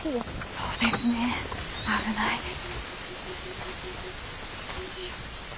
そうですね危ないです。